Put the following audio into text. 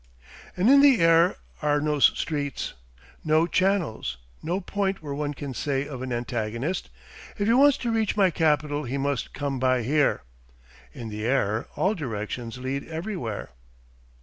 And in the air are no streets, no channels, no point where one can say of an antagonist, "If he wants to reach my capital he must come by here." In the air all directions lead everywhere.